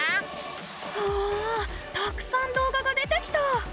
うわたくさん動画が出てきた！